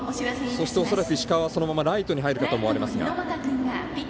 そして、恐らく石川はそのままライトに入るかと思います。